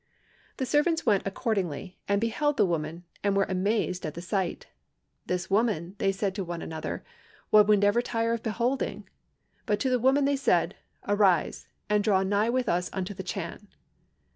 "The servants went accordingly, beheld the woman, and were amazed at the sight. 'This woman,' said they to one another, 'one would never tire of beholding.' But to the woman they said, 'Arise! and draw nigh with us unto the Chan.'